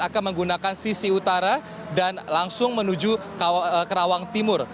akan menggunakan sisi utara dan langsung menuju kerawang timur